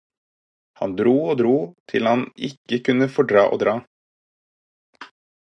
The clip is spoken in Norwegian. Han dro og dro, til han ikke kunne fordra å dra.